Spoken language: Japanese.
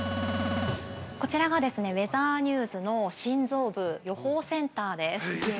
◆こちらがですね、ウェザーニューズの心臓部、予報センターです。